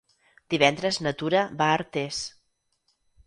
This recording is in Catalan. Divendres na Tura va a Artés.